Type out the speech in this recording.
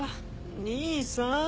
兄さん？